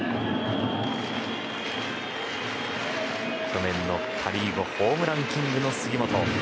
去年のパ・リーグホームランキングの杉本。